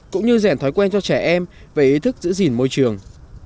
cũng như rèn thói quen cho trẻ em về ý thức giữ gìn môi trường